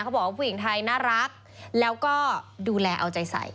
บอกว่าผู้หญิงไทยน่ารักแล้วก็ดูแลเอาใจใส่